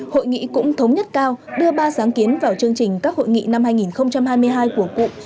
hội nghị cũng thống nhất cao đưa ba sáng kiến vào chương trình các hội nghị năm hai nghìn hai mươi hai của cụm